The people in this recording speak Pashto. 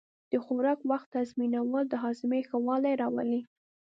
د خوراک وخت تنظیمول د هاضمې ښه والی راولي.